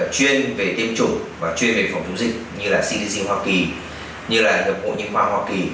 chuyên về tiêm chủng và chuyên về phòng chống dịch như là cdc hoa kỳ như là hợp ủ nhật hoa hoa kỳ